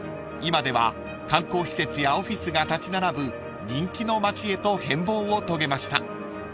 ［今では観光施設やオフィスが立ち並ぶ人気の街へと変貌を遂げました］